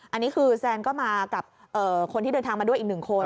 อันนี้คือแซนก็มากับคนที่เดินทางมาด้วยอีกหนึ่งคน